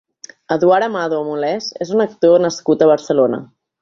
Eduard Amado Moles és un actor nascut a Barcelona.